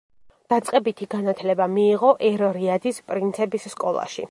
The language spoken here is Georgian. დაწყებითი განათლება მიიღო ერ-რიადის პრინცების სკოლაში.